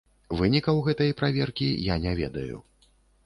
Вынікаў гэтай праверкі я не ведаю.